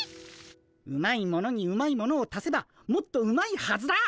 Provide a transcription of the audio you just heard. うまいものにうまいものを足せばもっとうまいはずだ！